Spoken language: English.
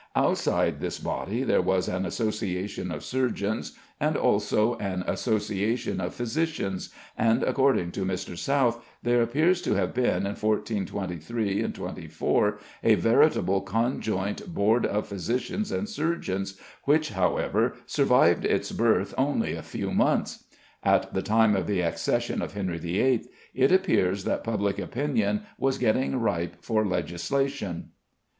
Outside this body there was an Association of Surgeons, and also an Association of Physicians, and, according to Mr. South, there appears to have been in 1423 24 a veritable Conjoint Board of Physicians and Surgeons, which, however, survived its birth only a few months. At the time of the accession of Henry VIII. it appears that public opinion was getting ripe for legislation.